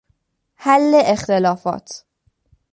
حل اختلافات